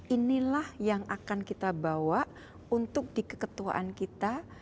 inilah yang akan kita bawa untuk di keketuaan kita